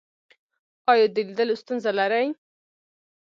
ایا د لیدلو ستونزه لرئ؟